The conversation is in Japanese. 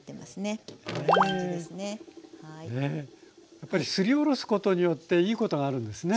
やっぱりすりおろすことによっていいことがあるんですね。